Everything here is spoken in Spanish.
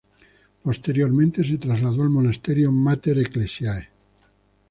Posteriormente se trasladó al Monasterio Mater Ecclesiae.